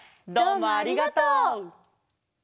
どうもありがとう！